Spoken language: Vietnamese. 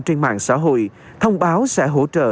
trên mạng xã hội thông báo sẽ hỗ trợ